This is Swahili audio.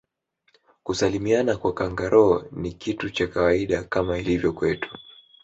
kusalimiana kwa kangaroo ni kitu cha kawaida kama ilivyo kwetu